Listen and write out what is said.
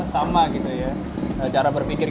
sama gitu ya cara berpikir